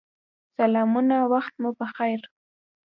سلامونه وخت مو پخیر